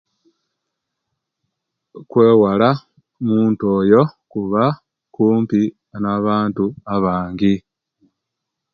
Okwewala omuntu oyo kuba kumpi na'bantu abangi.